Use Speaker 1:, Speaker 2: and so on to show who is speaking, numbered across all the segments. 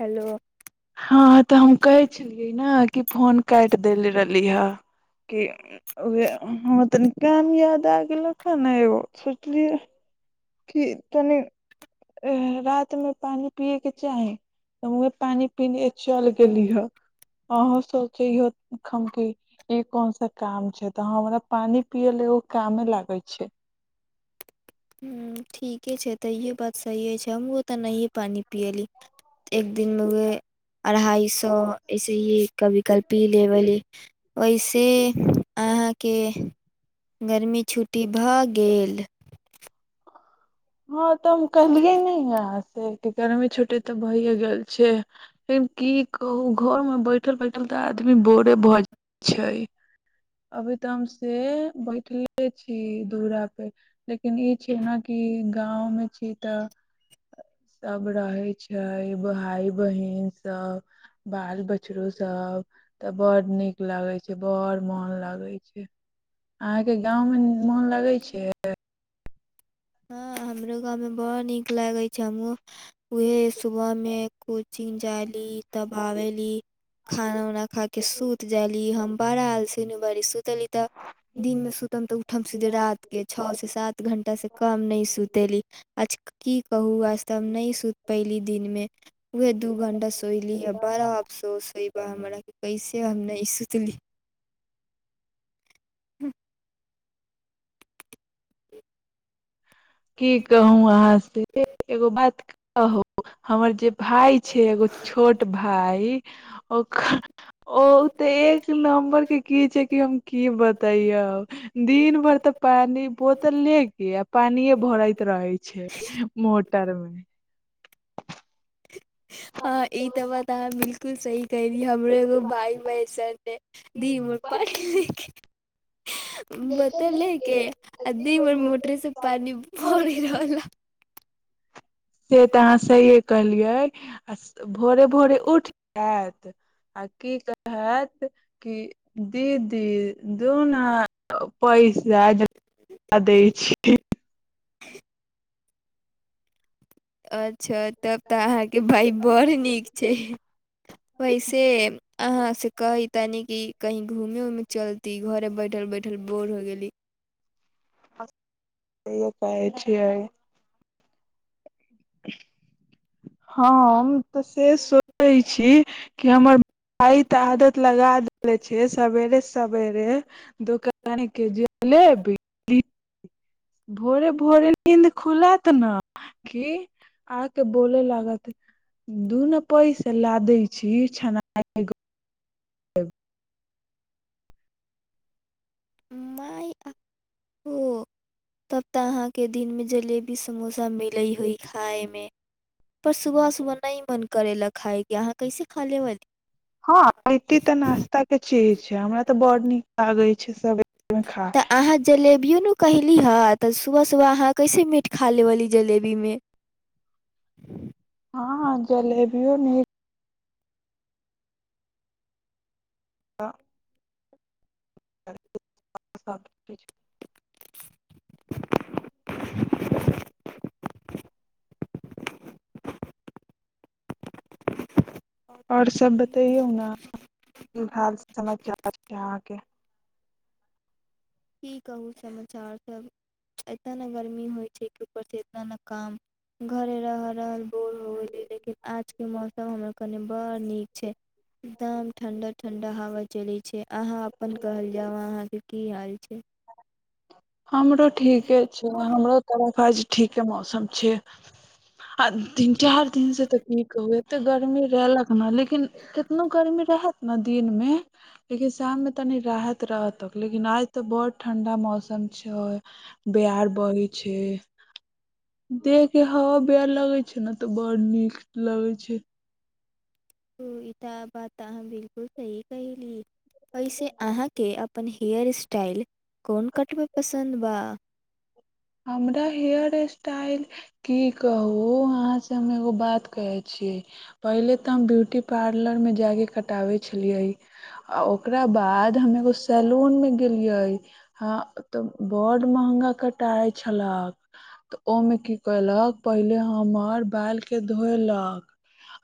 Speaker 1: Hello
Speaker 2: हँ तऽ हम कहै छलियै ने कि फोन काटि देले रहली ह कि उहे हां तनी काम याद आ गेलक हे ने एगो सोचलियै कि तनि रातिमे पानि पियएके चाही त उहे पानि पीने चल गेली ह अहू सोचैहे कि ई कोन सा काम छैय तऽ हमरा पानि पियै ल एगो कामे लागै छैय।
Speaker 1: ह ठीके छै तऽ इहे बात सहीये छैय हमहुं तऽ नहिए पानी पिली एक दिनमे उ अढ़ाइ सौ ऐसे ही कभी काल पीले रहली वहिसे अहाँके गर्मी छुट्टी भऽ गेल
Speaker 2: हँ तऽ हम कहलियै नहि न गर्मी छुटटी तऽ भहिए गेल छैय लेकिन की कहू घर मे बैठल बैठल तऽ आदमी बोरे भऽ जाइ छैय अभी तऽ हम से बैठले छी दुरा पे लेकिन ई छैय ने कि गाँंव मे छी तऽ सब रहे छैय भाय बहिन सब बाल बछरो सब तऽ बड़ नीक लागे छै बड़ मन लगै छैय अहाँके गाँवमे मोन लगै छैय
Speaker 1: हँ हमरो गाँव में बड़ नीक लागैत छैय हमहू उहे सुबह मे कोचिंग जाली तब आबेली खाना उना खा के सूत जाली हम बड़ा आलसीन बारी सु चली तऽ दिन मे
Speaker 2: छै
Speaker 1: सुतम तऽ उठम सीधे रात के छौ से सात घंटा से काम नहि सूतेली आज की कहू आज त हम नहि सुत पहिली दिनमे उहे दू घण्टा सोइली बारा आफसोस होइ हमरा के कैसे हम नहि सुतली
Speaker 2: की कहू अहाँ से एगो बात कहू हमर जे भाय छैय एगो छोट भाय ओकर ओ तऽ एक नम्बर के की छैय कि हम की बतैयो दिन भरि ते पानी बोतल ले के पानिये भरइत रहै छैय मो टर मे
Speaker 1: हँ ई तऽ बात अहाँ बिलकुल सही कयरी हमरो एगो भाई [unintelligible] [unintelligible] धीमर पड़ ही ही बतेलै के आ दीन भर मोटरेसँ पानि भरि रहल ह
Speaker 2: से तऽ अहाँ सहिए कहलियै आ भोरे भोरे उठ जायत आ की कहत कि दीदी दुना पैसा [unintelligible]
Speaker 1: [inaudible] अच्छा तब तऽ अहाँके भाय बड़ नीक छैय वैसे अहाँ से कहयै तनी की कहीं घूमे उमे चल ती घरे बैठल बैठल बोर हो गेली
Speaker 2: कहय छियै [inaudible] हम तऽ से सोचै छी कि हमर भाई‌ तऽ आदत लगा देेले छैय सवेरे सवेरे दोकान के जलेबी भोरे भोरे नीन्द खुलत ने कि आ त बोले लागत दू न पैसा ला दै छी छना [unintelligible]
Speaker 1: माय ओ तब तऽ अहाँके दिन मे जलेबी समोसा मिले होई खाय मे पर सुबह सुबह नहि मन करे ला खायके अहाँ कैसे खा ले वाली
Speaker 2: हँ ख तऽ नास्ता के चीज छैय हमरा तऽ बड़ नीक लागे [unintelligible] खाय
Speaker 1: तऽ अहाँ जलेबियो ने क कहली हेँ तऽ सुबह सुबह अहाँ कैसे मीट खा लेब ई जलेबीमे
Speaker 2: हँ जलेबियो न त [inaudible]
Speaker 1: [inaudible]
Speaker 2: आओर सब बतईयौ ने की हाल समाचार छैय अहाँके
Speaker 1: की कहू समाचार सब एतना ने गर्मी होइ छैय के ऊपर से इतना ने काम घरे र रहल [unintelligible] लेकिन आजक ई मौसम हमर कने बड़ नीक छैय एकदम ठण्डा ठण्डा हवा चल छैय अहाँ अपन कहल जाउ अहाँके की हाल ठीक
Speaker 2: हमरो ठीके छैय हमरो तरफ आज ठीके मौसम छैय आ तीन चार दिन से तऽ की कहु एते गर्मी रहलक न लेकिन केतनो गर्मी रहत ने दिन मे लेकिन शाम मे तनी राहत रहतक लेकिन आज त बड़ ठंडा मौसम अच्छा ब्यार बारय छैय देखह के हवा ब्यर लगै छैय ने तऽ बड़ नीक लगै छैय।
Speaker 1: ओ इ त बात अहाँ बिलकुल सही कहहि ली एहिैस अहाँके अपन हेयर स्टाइल कोन कट मे पसन्द बा
Speaker 2: हमरा हेयर स्टाइल की कहू अहाँसँ हम एगो बात कहै छियै पहिले तऽ हम ब्यूटी पार्लरमे जाकऽ कटाबैत छलियै आ ओकरा बाद हम एगो सैलूनमे गेलियै हँ तऽ बड्ड़ महगा क कटाइ छलक तऽ ओहिमे की कलक पहिले हमर बालके धोलक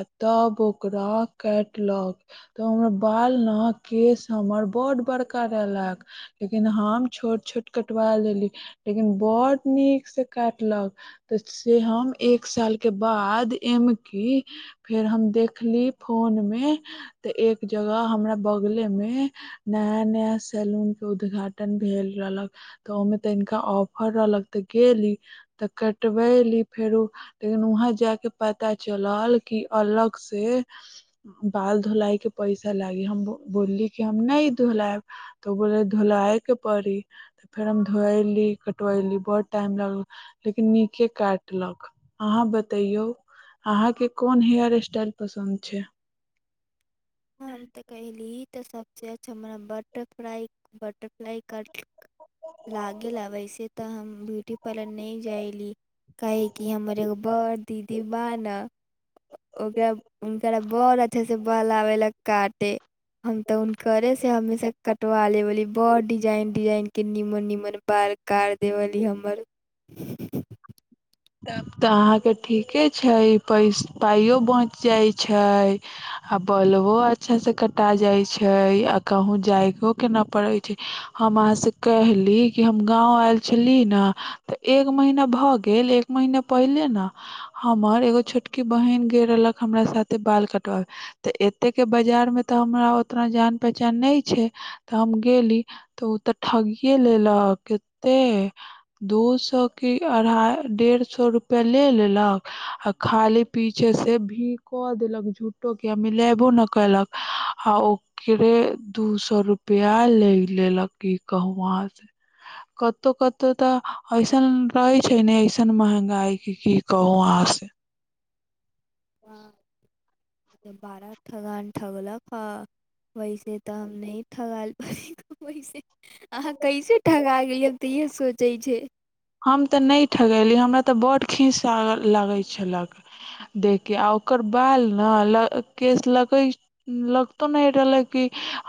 Speaker 2: आ तब ओकरा काटलक तऽ हमर बाल ने केश हमर ब्ड बड़का रहलक लेकिन हम छोट छोट कटवा लेली लेकिन बड नीक से काटलक तऽ से हम एक साल के बाद एमकी फेर हम देखली फोन मे ते एक जगह हमरा बगले में नया नया सैलून के उद्घाटन भेल रहलक तऽ ओमे त ा ऑफर रहलक ते गेली तऽ कटबेली फेरो लेकिन वहां जाय के पता चलल क अलग से बाल धोलाय के पैसा लागी हम बोलली कि हम नहि धोलायब तो बोलल धोलाय के पड़ी त फेर हम धोएली कतबेली बर टाइम लागल लेकिन नीके काटलक अहाँ बतैयौ अहाँके कोन हेयर स्टाइल पसन्द छैय
Speaker 1: हम त कहली [unintelligible] लागल आ वैसे तऽ हम ब्यूटी पार्लर नहि जाइली काहे कि हमर एगो बड़ दीदी बान ओकरा उनकरा बड अच्छा से बहलाबे ला काटे हम तऽ उनकरे से हमेशा कटवा लेवेली बड़ डिजाइन डिजाइनके निमन निमन बाल कार देवली हमर
Speaker 2: तब तऽ अहाँके ठीके छैय पैस पाइयो बचि जाइत छैय आ बल्बो अच्छासँ कटा जाइत छैय आ कहूँ जायोके ना पड़ैत छैय हम अहाँसँ कहली कि हम गाँव आयल छली ने तऽ एक महीना भऽ गेल एक महिना पहिले ने हमर एगो छोटकी बहिन ग रहलक हमरा साथे बाल कटबाबे तऽ एते के बाजार में तऽ हमरा ओतना जान पहचान नहि छैय तऽ हम गेली तऽ ओ ते ठगियए लेलक कते दू सए की अढ़ाई डेढ़ सए सौ रुपया ले लेलक आ खाली पीछे से भी क देलक झूठो के मिलेबो न केलक आ ओकरे दू सौ रुपया ले लेलक की कहु अहाँ से कतौ कतौ तऽ ऐसन रहे छैय ने ऐसन महंगा गायकी की कहू अहाँ से
Speaker 1: हां बारा ठगान ठगलक ह वैसे तऽ हम नहि ठगाईल बारी वैस अहाँ कैसे ठगा गइली हम त इहे सोच चै छैय
Speaker 2: हम तऽ नहि ठगेली हमरा तऽ बड्ड खीस लगैई छलक देख के आ ओकर बाल ने केश लगै लगतो नहि रहलै कि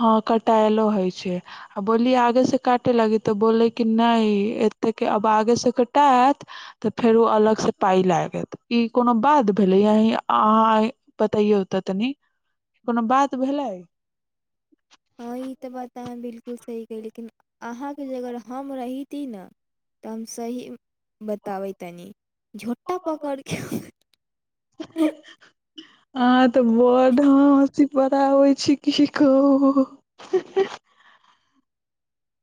Speaker 2: हँ कटायलो होइ छैय आ बोलली आगेसँ काटे लागी तऽ बोलयै कि नहि एतेक के आब आगेसे कटात तऽ फेरु अलगसँ पाइ लागत ई कोनो बात भेलै यय अहाँ बतैयौ तऽ तनी कोनो बात भेलै
Speaker 1: हँ ई तऽ बात अहाँ बिलकुल सही कही लेकिन अहाँके जगह अगर हम रहीती ने तऽ हम सही बताबै तनी झोटा पकड़ के
Speaker 2: अहाँ तऽ बड़ हँसी पराबै छी की कहू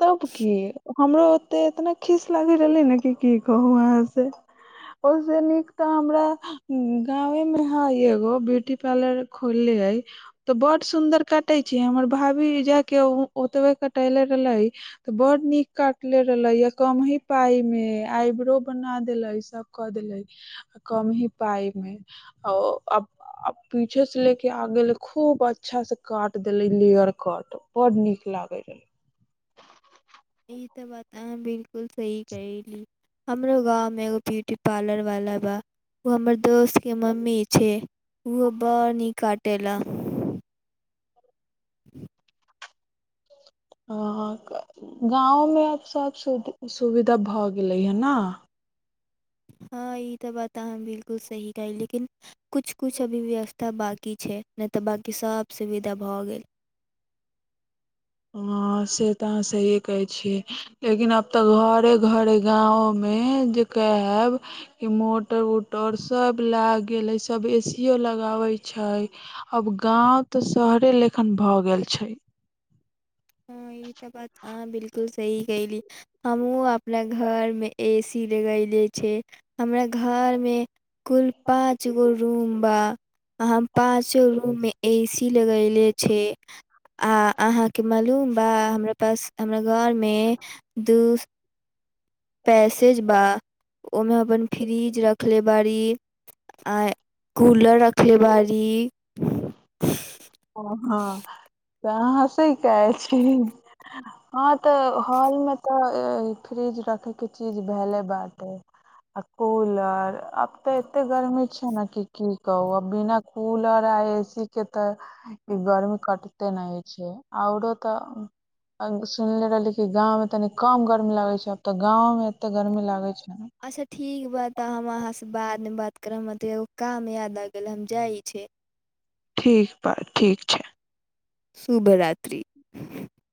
Speaker 2: तब की हमरो ओते इतना खिस लागे रहले ने कि की कहू अहाँ के ओसे नीक तऽ हमरा गांवे मे है एगो ब्यूटी पार्लर खोलले हइ तऽ बड सुंदर कटे छी हमर भाभी जा के ओतबे कटेले रहले त बड नीक काटले रहले य कम ही पाई मे आइब्रो बना देलेस सब क देले कम ही पाय मे पीछे से ले के आ गेले खूब अच्छा से काट देले लेयर कट बड नीक लागे रहै
Speaker 1: ई तऽ बात अहाँ बिलकुल सही कहिली हमरो गाँव मे एगो बि टी पार्लर वाला बा ओ हमर दोस्त के मम्मी छै ओ बड नीक काटेला
Speaker 2: हँ गाँवमे आब सभ सु सुविधा भऽ गेलै हे ने
Speaker 1: हँ ई तऽ बात अहाँ बिलकुल सही कहै लेकिन कुछ कुछ अभी व्यस्त तऽ बाकी छैय नहि तऽ बकी सभ सुविधा भऽ गेल
Speaker 2: हँ से तऽ अहाँ सहए कहै छियै लेकिन आब तऽ घरे घरे गाँवोमे जे कहयब कि मोटर उटर सभ लागि गेल हइ सभ ए सीओ लगाबै छैय आब गाँव तऽ शहरे लेखन भऽ गेल छैय
Speaker 1: हँ ई तऽ बात अहां बिलकुल सही कहिली। हमू अपना घर मे एसी लगले छैय। हमरा घर में कुल पांच गो रूम बा। हम पांचो रूममे एसी लगायले छै आ अहाँ के मालूम बा हमरा पास हमरा घरमे दू पैसेज बा ओमे हम अपन फ्रिज रख रखले बारी आ कूलर रखले बारी री
Speaker 2: हं हां त आहाॅं हँसय कहे छी हँ ते हाॅल मे तऽ फ्रीज रखे के चीज धैले बाटे आ कूलर आब ते एते गर्मी छैय ने कि की कहू अब बिना कूलर आ ए सी के त ई गर्मी कटते न छैय औरो ते सुनले रहली की गांव में तनी कम गर्मी लागै छैय अब तऽ गांवं में एते गर्मी लागे छैय
Speaker 1: अच्छा ठीक बा तऽ हम अहाँसँ बादमे बात करब हमरा तऽ एगो काम याद आ गेल हम जाइ छी
Speaker 2: ठीक बा ठीक छैय
Speaker 1: शुभरात्रि [inaudible]